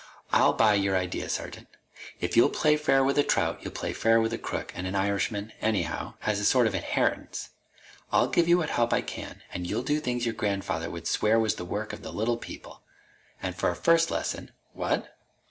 "I'll buy your idea, sergeant. If you'll play fair with a trout, you'll play fair with a crook, and an Irishman, anyhow, has a sort of inheritance I'll give you what help I can, and you'll do things your grandfather would swear was the work of the Little People. And for a first lesson " "What?"